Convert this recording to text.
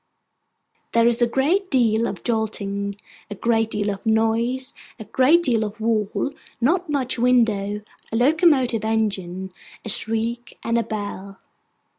There is a great deal of jolting, a great deal of noise, a great deal of wall, not much window, a locomotive engine, a shriek, and a bell.